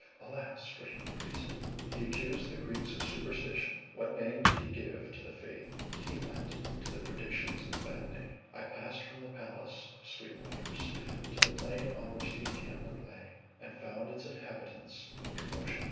Alas! for human reason! He accused the Greeks of superstition: what name did he give to the faith he lent to the predictions of Evadne? I passed from the palace of Sweet Waters to the plain on which the encampment lay, and found its inhabitants in commotion.